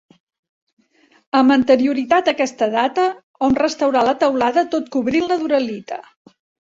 Amb anterioritat a aquest data, hom restaurà la teulada tot cobrint-la d'uralita.